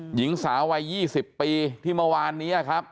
หญิงสาววัย๒๐ปีที่เมื่อวานนี้ครับ